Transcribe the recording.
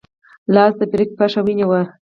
لاس د فلیریک پښه ونیوه.